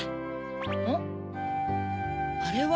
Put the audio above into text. あっあれは。